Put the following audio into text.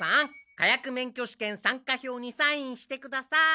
火薬免許試験参加票にサインしてください！